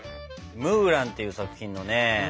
「ムーラン」っていう作品のね